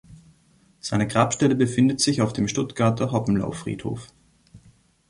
Seine Grabstelle befindet sich auf dem Stuttgarter Hoppenlaufriedhof.